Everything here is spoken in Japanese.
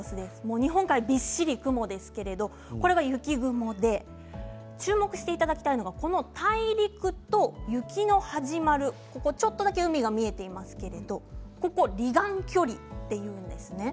日本海、びっしり雲ですけれどこれが雪雲で注目していただきたいのがこの大陸と雪の始まるちょっとだけ海が見えていますけれど離岸距離というんです。